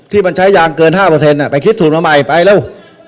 ที่มันใช้ยางเกิน๕ไปคิดสูตรมาใหม่ไปเร็ว